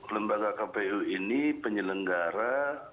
lembaga kpu ini penyelenggara